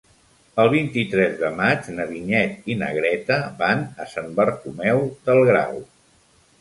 El vint-i-tres de maig na Vinyet i na Greta van a Sant Bartomeu del Grau.